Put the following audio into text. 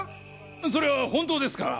それは本当ですか？